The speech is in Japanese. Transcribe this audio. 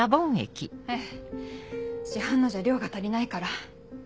ええ市販のじゃ量が足りないから。